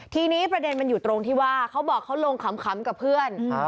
ทีนี้ประเด็นมันอยู่ตรงที่ว่าเขาบอกเขาลงขำกับเพื่อน